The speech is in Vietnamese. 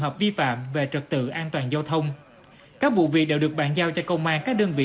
hợp vi phạm về trật tự an toàn giao thông các vụ việc đều được bàn giao cho công an các đơn vị